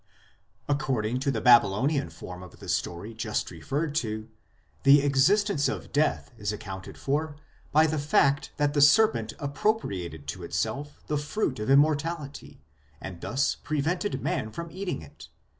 According to the Babylonian form of the story just referred to, the existence of death is accounted for by the fact that the serpent appropriated to itself the fruit of immortality, and thus prevented man from eating it.